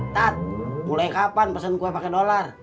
tat mulai kapan pesen kue pake dolar